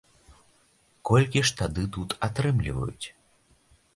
Колькі ж тады тут атрымліваюць?